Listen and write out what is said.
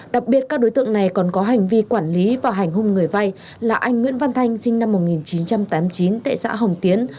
đặc biệt các đối tượng này còn có hành vi quản lý và hành hung người vay là anh nguyễn văn thanh sinh năm một nghìn chín trăm tám mươi chín tại xã hồng tiến